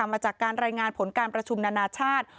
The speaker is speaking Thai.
มาจากการรายงานผลการประชุมนานาชาติ